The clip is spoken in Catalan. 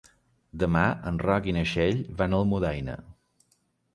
Demà en Roc i na Txell van a Almudaina.